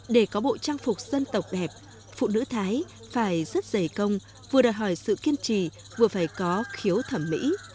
để có bộ trang phục dân tộc đẹp phụ nữ thái phải rất dày công vừa đòi hỏi sự kiên trì vừa phải có khiếu thẩm mỹ